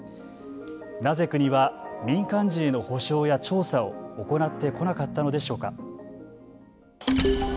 なぜ国は民間人への補償や調査を行ってこなかったのでしょうか。